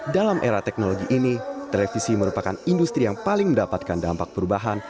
dalam era teknologi ini televisi merupakan industri yang paling mendapatkan dampak perubahan